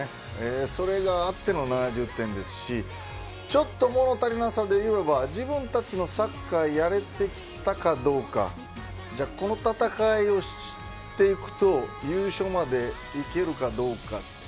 それがあっての７０点ですしちょっと物足りなさで言えば自分たちのサッカーやれていたかどうかこの戦いをしていくと優勝までいけるかどうか。